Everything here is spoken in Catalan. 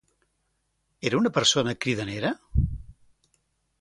Era una persona cridanera?